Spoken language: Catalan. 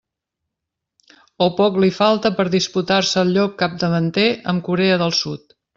O poc li falta per disputar-se el lloc capdavanter amb Corea del Sud.